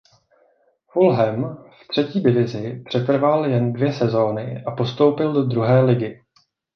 Fulham v třetí divizi přetrval jen dvě sezony a postoupil do druhé ligy.